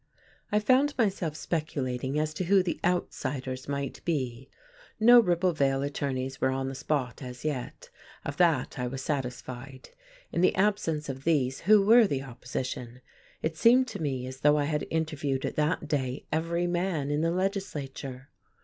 I found myself speculating as to who the "outsiders" might be. No Ribblevale attorneys were on the spot as yet, of that I was satisfied. In the absence of these, who were the opposition? It seemed to me as though I had interviewed that day every man in the legislature.